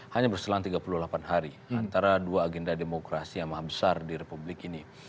hanya berselang tiga puluh delapan hari antara dua agenda demokrasi yang maha besar di republik ini